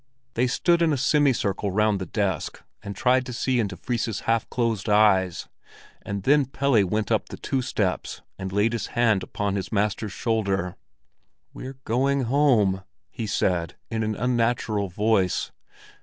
They stood in a semicircle round the desk, and tried to see into Fris's half closed eyes; and then Pelle went up the two steps and laid his hand upon his master's shoulder. "We're going home," he said, in an unnatural voice.